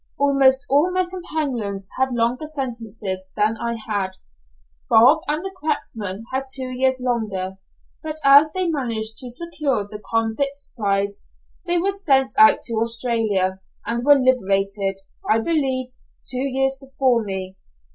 Almost all my companions had longer sentences than I had. Bob and the cracksman had two years longer; but as they managed to secure the convict's prize, they were sent out to Australia, and were liberated, I believe, two years before me.